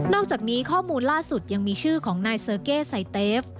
อกจากนี้ข้อมูลล่าสุดยังมีชื่อของนายเซอร์เก้ไซเตฟ